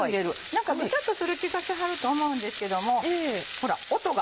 何かベチャっとする気がしはると思うんですけどもほら音が。